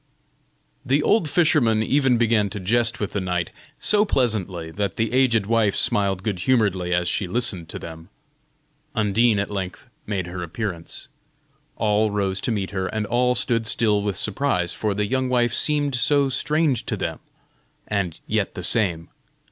The old fisherman even began to jest with the knight, so pleasantly, that the aged wife smiled good humoredly as she listened to them. Undine at length made her appearance. All rose to meet her and all stood still with surprise, for the young wife seemed so strange to them and yet the same.